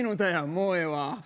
もうええわ。